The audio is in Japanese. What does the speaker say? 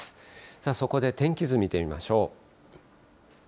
さあそこで、天気図見てみましょう。